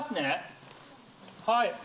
はい。